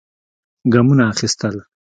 ګامونه اخېستل.